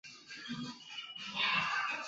日之出町为东京都西部西多摩郡的町。